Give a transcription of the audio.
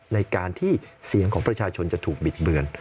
ในการที่เสียงของประชาชนจะถูกบิดเบือน